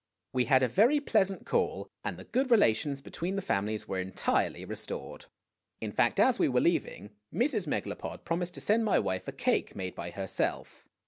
We had a very pleasant call, and the good relations between the families were entirely restored. In fact, as we were leaving, Mrs. Megalopod promised to send my wife a cake made by herself.